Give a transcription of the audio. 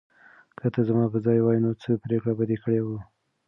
که ته زما په ځای وای، نو څه پرېکړه به دې کړې وه؟